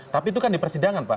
tapi itu kan di persidangan pak